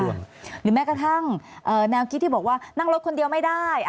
หรือแม้กระทั่งแนวคิดที่บอกว่านั่งรถคนเดียวไม่ได้